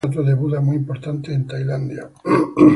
Pra Sai es una estatua de Buda muy importante en Tailandia.